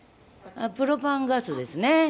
プロパンガスですね。